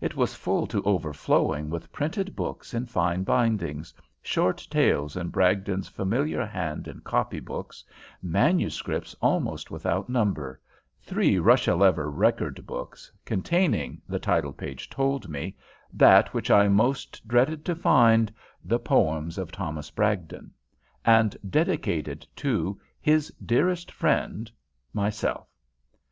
It was full to overflowing with printed books in fine bindings, short tales in Bragdon's familiar hand in copy books, manuscripts almost without number, three Russia leather record books containing, the title page told me, that which I most dreaded to find, The Poems of Thomas Bragdon, and dedicated to "His Dearest Friend" myself.